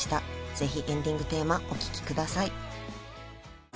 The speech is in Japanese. ぜひエンディングテーマお聴きください